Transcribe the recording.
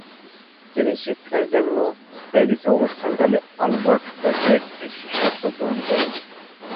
তিনি শিক্ষার জন্য প্যারিসে অবস্থান কালে আলবার্ট দ্য গ্রেট-এর শিষ্যত্ব গ্রহণ করেন।